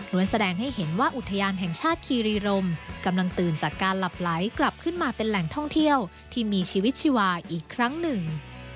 แสดงให้เห็นว่าอุทยานแห่งชาติคีรีรมกำลังตื่นจากการหลับไหลกลับขึ้นมาเป็นแหล่งท่องเที่ยวที่มีชีวิตชีวาอีกครั้งหนึ่ง